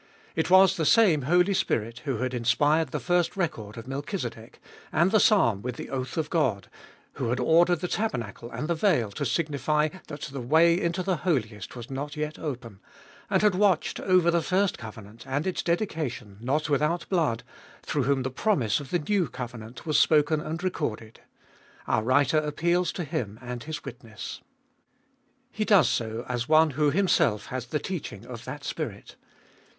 It was the same Holy Spirit who had inspired the first record of Melchizedek, and the Psalm with the oath of God, who had ordered the tabernacle and the veil to signify that the way into the Holiest was not yet open, and had watched over the first covenant, and its dedication not without blood, through whom the promise of the new covenant was spoken and recorded. Our writer appeals to Him and His witness. He does so as one who himself has the teaching of that Spirit.